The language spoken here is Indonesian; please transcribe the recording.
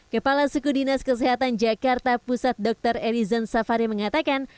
kepala suku dinas kesehatan jakarta pusat dr elizon safari mengatakan